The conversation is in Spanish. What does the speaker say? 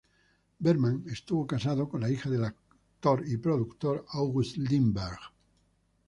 Bergman estuvo casado con la hija del actor y productor August Lindberg.